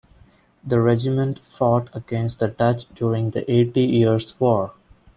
The regiment fought against the Dutch during the Eighty Years' War.